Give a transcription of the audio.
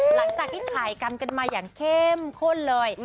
หลังจากที่ถ่ายกรรมกันมาอย่างเข้มข้นเลย